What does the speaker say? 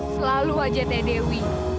selalu aja teh dewi